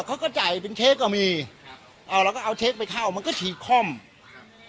เขาก็จ่ายเป็นเชฟก็มีอ่าแล้วก็เอาเชฟไปเข้ามันก็ฉีดค่ำ